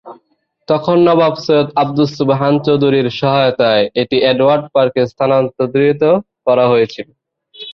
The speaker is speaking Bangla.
তখন নবাব সৈয়দ আবদুস সোবহান চৌধুরীর সহায়তায় এটি অ্যাডওয়ার্ড পার্কে স্থানান্তর করা হয়েছিল।